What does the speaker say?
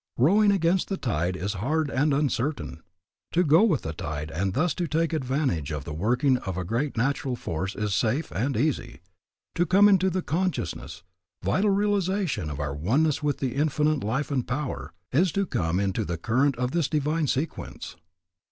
Rowing against the tide is hard and uncertain. To go with the tide and thus to take advantage of the working of a great natural force is safe and easy. To come into the conscious, vital realization of our oneness with the Infinite Life and Power is to come into the current of this divine sequence.